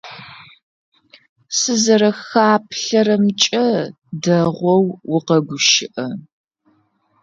Сызэрэпхаплъэрэмкӏэ, дэгъоу укъэгущыӏэ.